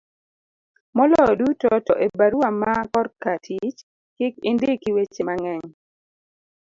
moloyo duto to e barua ma korka tich kik indiki weche mang'eny